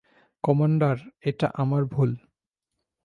Commander, এটা আমার ভুল।